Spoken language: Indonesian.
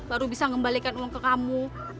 baru bisa mengembalikan uang ke kamu